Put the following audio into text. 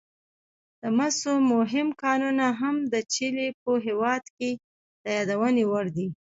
د مسو مهم کانونه هم د چیلي په هېواد کې د یادونې وړ دي.